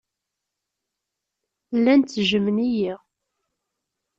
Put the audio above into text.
Llan ttejjmen-iyi.